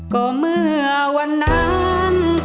ก็เมื่อวันนั้น